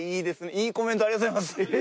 いいコメントありがとうございます！